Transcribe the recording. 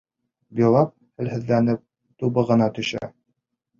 Билал хәлһеҙләнеп тубығына төшә.